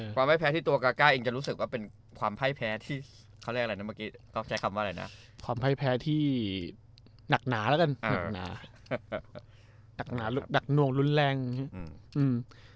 ก็ใช้คำว่าอะไรนะความไพ้แพ้ที่หนักหนาแล้วกันหนักหนาหนักหน่วงรุนแรงอืม